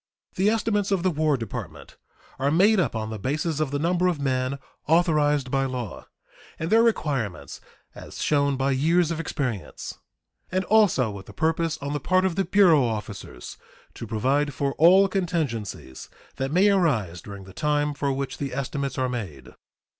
The estimates of the War Department are made up on the basis of the number of men authorized by law, and their requirements as shown by years of experience, and also with the purpose on the part of the bureau officers to provide for all contingencies that may arise during the time for which the estimates are made.